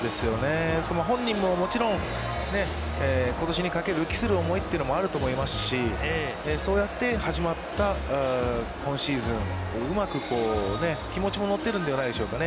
本人ももちろんことしにかける、期する思いというのもあると思いますし、そうやって始まった今シーズン、うまく、気持ちも乗ってるんではないでしょうか。